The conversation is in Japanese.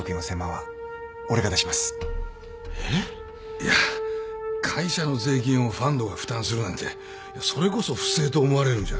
いや会社の税金をファンドが負担するなんてそれこそ不正と思われるんじゃ。